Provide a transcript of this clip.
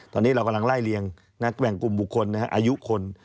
ตอนนี้เรากำลังไล่เลียงนักแหว่งกลุ่มบุคคลอายุคน